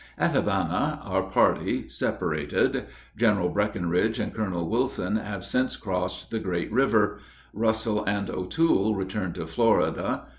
At Havana our party separated. General Breckinridge and Colonel Wilson have since crossed the great river; Russell and O'Toole returned to Florida.